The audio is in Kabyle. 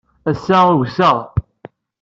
Ass-a, ugseɣ.